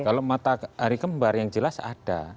kalau mata hari kembar yang jelas ada